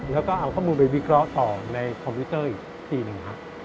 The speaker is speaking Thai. แล้วก็เอาข้อมูลไปวิกร้อต่อในคอมพิวเตอร์อีกทีหนึ่ง